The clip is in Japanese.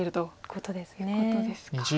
ことです。